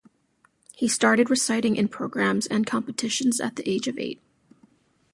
He started reciting in programs and competitions at the age of eight.